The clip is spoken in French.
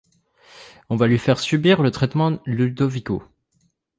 On va lui faire subir le traitement Ludovico.